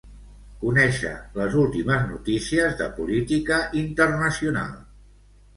Conèixer les últimes notícies de política internacional.